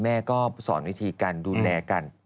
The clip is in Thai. แม่ก็สอนวิธีการดูแลกัน